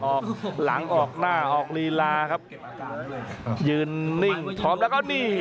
ออกหลังออกหน้าออกลีลาครับยืนนิ่งทอมแล้วก็นี่